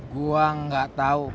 gw gak tau